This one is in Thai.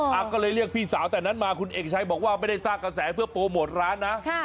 อ่ะก็เลยเรียกพี่สาวแต่นั้นมาคุณเอกชัยบอกว่าไม่ได้สร้างกระแสเพื่อโปรโมทร้านนะ